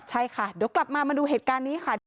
ใช่ค่ะเดี๋ยวกลับมามาดูเหตุการณ์นี้ค่ะ